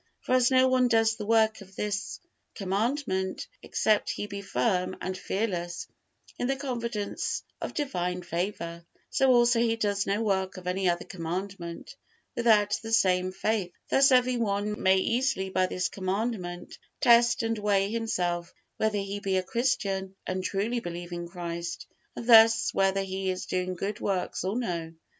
For as no one does the work of this Commandment except he be firm and fearless in the confidence of divine favor; so also he does no work of any other Commandment without the same faith: thus every one may easily by this Commandment test and weigh himself whether he be a Christian and truly believe in Christ, and thus whether he is doing good works or no.